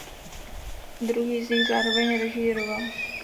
Druhý z nich zároveň režíroval.